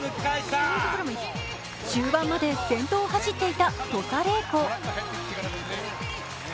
終盤まで先頭を走っていた土佐礼子。